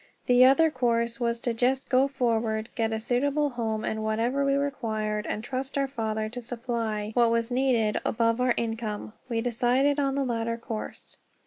The other course was to just go forward, get a suitable home and whatever we required, and trust our Father to supply what was needed above our income. We decided on the latter course.